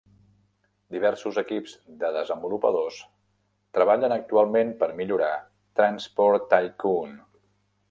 Diversos equips de desenvolupadors treballen actualment per millorar "Transport Tycoon".